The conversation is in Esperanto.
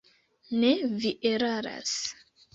Ne, vi eraras.